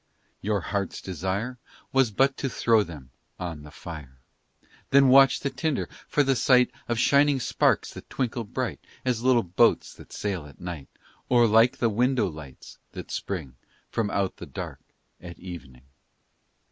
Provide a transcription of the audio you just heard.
Your hearts desire Was but to throw them on the fire, Then watch the tinder, for the sight Of shining sparks that twinkle bright As little boats that sail at night, Or like the window lights that spring From out the dark at evening.